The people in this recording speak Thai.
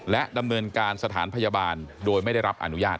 และดำเนินการสถานพยาบาลโดยไม่ได้รับอนุญาต